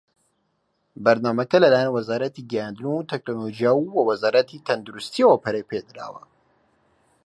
بەرنامەکە لە لایەن وەزارەتی گەیاندن وتەکنەلۆجی و وە وەزارەتی تەندروستییەوە پەرەی پێدراوە.